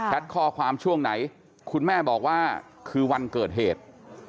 ข้อความช่วงไหนคุณแม่บอกว่าคือวันเกิดเหตุ